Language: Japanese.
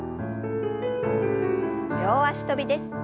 両脚跳びです。